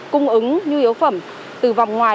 cung ứng nhu yếu phẩm từ vòng ngoài